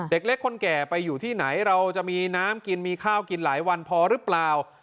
เด็กเล็กคนแก่ไปอยู่ที่ไหนเราจะมีน้ำกินมีข้าวกินหลายวันพอหรือเปล่า